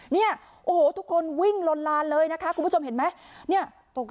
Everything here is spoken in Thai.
เนี่ยโอ้โหทุกคนวิ่งลนลานเลยนะคะคุณผู้ชมเห็นไหม